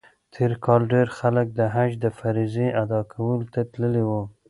تېر کال ډېر خلک د حج د فریضې ادا کولو ته تللي وو.